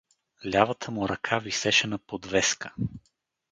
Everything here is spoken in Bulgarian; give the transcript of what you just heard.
Лявата му ръка висеше на подвезка.